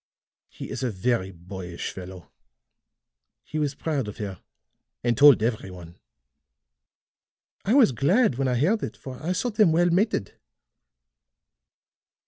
He is a very boyish fellow; he was proud of her and told every one. I was glad when I heard it, for I thought them well mated.